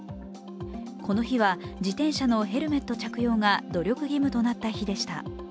この日は、自転車のヘルメット着用が努力義務となった日でした。